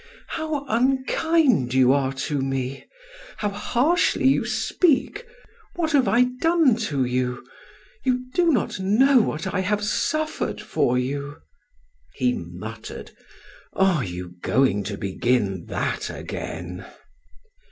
"How unkind you are to me; how harshly you speak! What have I done to you? You do not know what I have suffered for you!" He muttered: "Are you going to begin that again?"